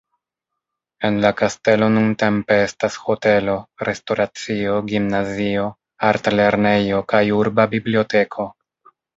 En la kastelo nuntempe estas hotelo, restoracio, gimnazio, artlernejo kaj urba biblioteko.